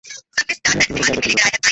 তোরে একেবারে গাইড়া ফেলব, শ্লারপু।